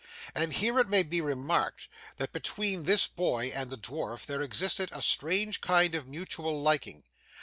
And here it may be remarked, that between this boy and the dwarf there existed a strange kind of mutual liking.